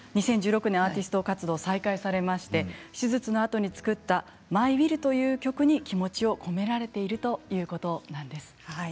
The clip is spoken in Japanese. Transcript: アーティスト活動を再開されまして手術のあとに作った「ＭｙＷｉｌｌ」という曲に気持ちを込められているということなんです。